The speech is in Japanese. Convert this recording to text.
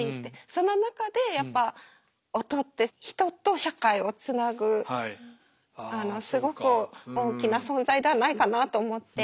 その中でやっぱ音って人と社会をつなぐすごく大きな存在ではないかなと思って。